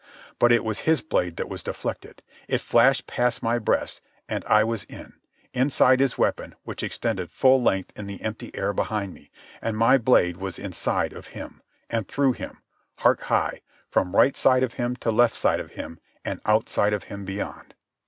But it was his blade that was deflected. It flashed past my breast, and I was in—inside his weapon, which extended full length in the empty air behind me—and my blade was inside of him, and through him, heart high, from right side of him to left side of him and outside of him beyond.